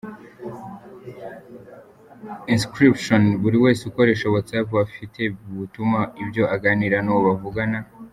encryption buri wese ukoresha Whatsapp afite butuma ibyo aganira n’uwo bavugana